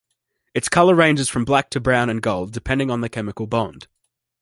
Its color ranges from black to brown and gold, depending on the chemical bond.